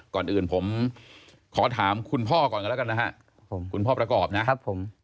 ก่อนอื่นผมขอถามคุณพ่อก่อนกันแล้วกันนะฮะคุณพ่อประกอบนะครับผม